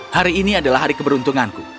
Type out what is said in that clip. hari ini adalah hari keberuntunganku